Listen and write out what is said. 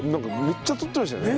めっちゃ採ってましたよね。